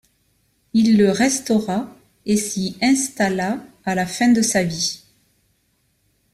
Il le restaura et s'y installa à la fin de sa vie.